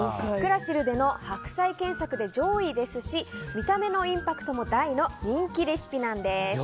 クラシルでの白菜検索で上位ですし見た目のインパクトも大の人気レシピなんです。